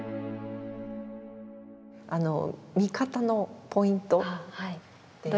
あの見方のポイントって？